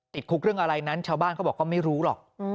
ติดคุกเรื่องอะไรนั้นชาวบ้านเขาบอกเขาไม่รู้หรอก